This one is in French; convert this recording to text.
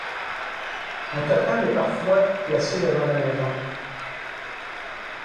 Un totem est parfois placé devant la maison.